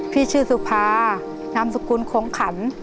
พี่ชื่อสุภานามสกุลโขงขัน